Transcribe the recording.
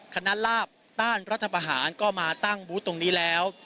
ลาบต้านรัฐประหารก็มาตั้งบูธตรงนี้แล้ว